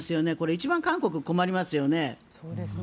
一番、韓国が困りますよね。